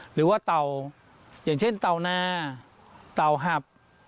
หรือว่าเต่าอย่างเช่นเต่านาเต่าหับ